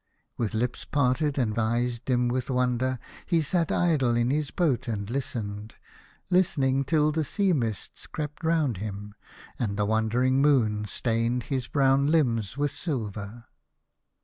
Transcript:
With lips parted, and eyes dim with wonder, he sat idle in his boat and listened, listening till the sea mists crept round him, and the wandering moon stained his brown limbs with silver.